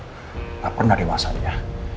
gak pernah dewasanya